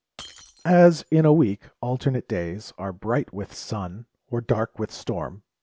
AS, in a week, alternate days Are bright with sun, or dark with storm.